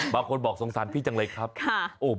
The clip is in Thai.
บางคนบอกสงสารพี่จังเลยครับ